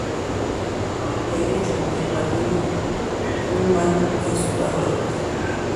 De hecho, el "Padrino", un Mano, es su padre adoptivo.